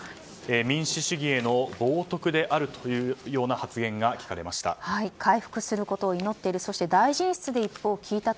民主主義への冒涜であるというような発言が聞かれました。